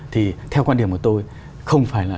thì theo quan điểm của tôi không phải là